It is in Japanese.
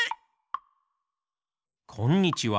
こんにちは。